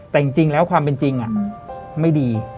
แต่จริงแล้วความเป็นจริงไม่ดี